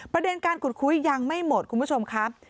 ประเด็นการขุดคุยยังไม่หมดคุณผู้ชมครับ